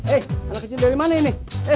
eh anak kecil dari mana ini